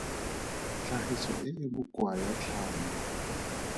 Tlhagiso e e bokoa ya tlhamo.